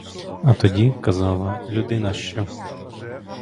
А тоді, — казала, — людина що?